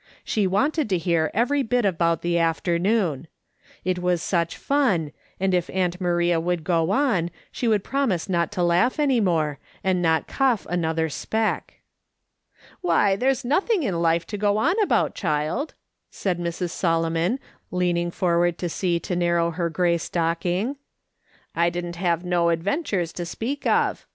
She wanted to hear every bit about the afternoon. It was such fun, and if aunt Maria would go on, she would promise not to laugh any more, and not cough another speck. "Why, there's nothing in life to go on about, child," said Mrs. Solomon, leaning forward to see to narrow her grey stocking. "I didn't have no ad ventures to speak of.